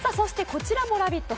こちらも「ラヴィット！」